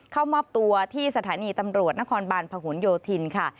เข้ามอบตัวที่สถานีตำรวจนครบาลพหนโยธินค่ะ